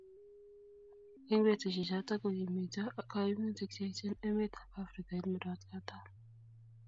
eng' betusiechoto ko kimito kaimutik che echen emetab Afrikait murot katam